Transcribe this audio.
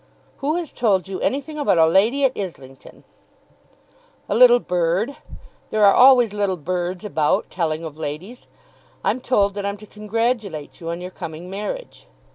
"Who has told you anything about a lady at Islington?" "A little bird. There are always little birds about telling of ladies. I'm told that I'm to congratulate you on your coming marriage."